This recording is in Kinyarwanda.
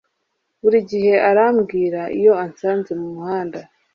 buri gihe arambwira iyo ansanze mumuhanda